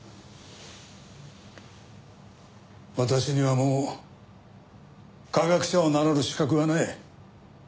私にはもう科学者を名乗る資格はない。